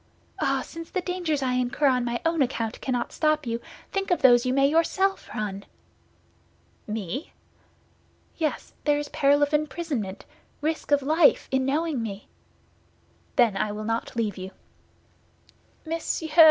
Ah, since the dangers I incur on my own account cannot stop you, think of those you may yourself run!" "Me?" "Yes; there is peril of imprisonment, risk of life in knowing me." "Then I will not leave you." "Monsieur!"